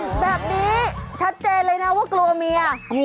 แบบนี้ชัดเจนเลยนะว่ากลัวเมีย